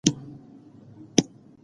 علم د انسان لپاره لویه پانګه ده.